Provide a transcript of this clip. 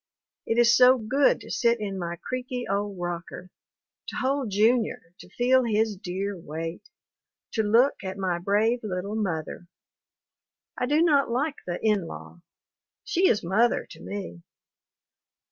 It is so good to sit in my creaky old rocker, to hold Junior, to feel his dear weight; to look at my brave little mother. I do not like the "in law." She is mother to me.